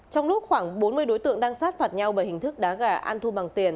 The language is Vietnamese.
trong lúc khoảng bốn mươi đối tượng đang sát phạt nhau bởi hình thức đá gà ăn thu bằng tiền